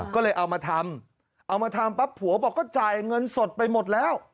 ก็เลยเอามาทำเอามาทำปั๊บผัวบอกก็จ่ายเงินสดไปหมดแล้ว